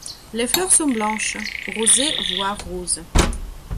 Les fleurs sont blanches, rosées voire roses.